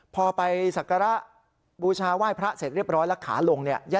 พอไปศักระบูชาไหว้พระเสร็จเรียบร้อยแล้วขาลงเนี่ย